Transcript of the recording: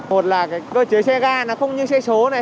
một là cái cơ chế xe ga nó không như xe số này